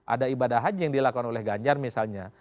ada ibadah haji yang dilakukan oleh ganjar misalnya